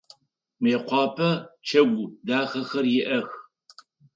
Мыекъуапэ пчэгу дахэхэр иӏэх.